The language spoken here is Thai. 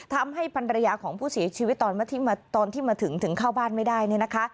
ทำให้ปัญญาของผู้เสียชีวิตตอนที่มาถึงถึงเข้าบ้านไม่ได้